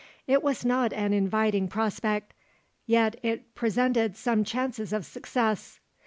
It was not an inviting prospect, yet it presented some chances of success.